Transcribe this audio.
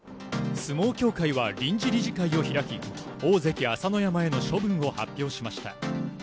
相撲協会は臨時理事会を開き大関・朝乃山への処分を発表しました。